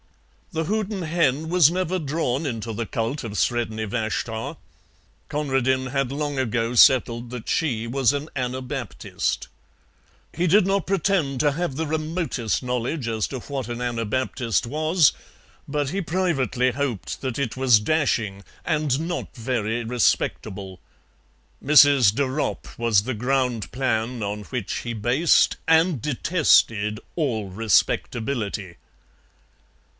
The Houdan hen was never drawn into the cult of Sredni Vashtar. Conradin had long ago settled that she was an Anabaptist. He did not pretend to have the remotest knowledge as to what an Anabaptist was, but he privately hoped that it was dashing and not very respectable. Mrs. de Ropp was the ground plan on which he based and detested all respectability.